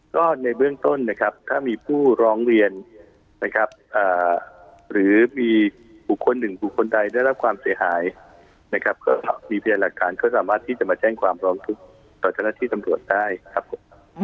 ก็ในเบื้องต้นนะครับถ้ามีผู้ร้องเรียนนะครับหรือมีบุคคลหนึ่งบุคคลใดได้รับความเสียหายนะครับก็มีพยานหลักฐานก็สามารถที่จะมาแจ้งความร้องทุกข์ต่อเจ้าหน้าที่ตำรวจได้ครับผม